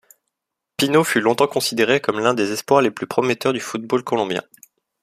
Pino fut longtemps considéré comme l'un des espoirs les plus prometteurs du football colombien.